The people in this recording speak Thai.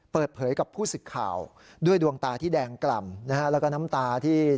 เปิดเผยกับผู้สึกข่าวด้วยดวงตาที่แดงกล่ำนะฮะแล้วก็น้ำตาที่